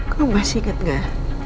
kok masih inget gak